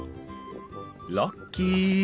ラッキー。